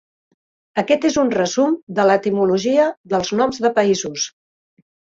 Aquest és un resum de l'etimologia dels noms de països.